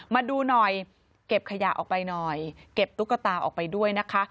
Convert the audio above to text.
มาดูหน่อยเก็บขยะออกไปหน่อยเก็บตุ๊กตาออกไปด้วยนะคะ